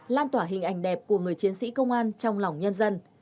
lan tỏa hình ảnh đẹp của người chiến sĩ công an trong lòng nhân dân